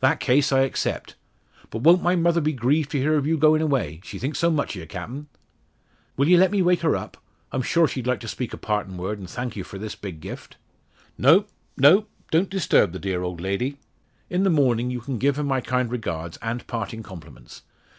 "That case I accept. But won't my mother be grieved to hear o' your goin' away she thinks so much o' ye, Captain. Will ye let me wake her up? I'm sure she'd like to speak a partin' word, and thank you for this big gift." "No, no! don't disturb the dear old lady. In the morning you can give her my kind regards, and parting compliments.